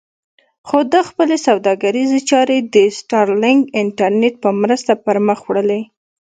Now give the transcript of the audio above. خو ده خپلې سوداګریزې چارې د سټارلېنک انټرنېټ په مرسته پر مخ وړلې.